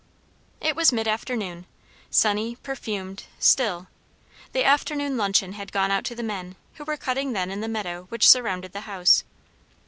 It was mid afternoon, sunny, perfumed, still; the afternoon luncheon had gone out to the men, who were cutting then in the meadow which surrounded the house.